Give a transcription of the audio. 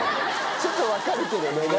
ちょっと分かるけどね。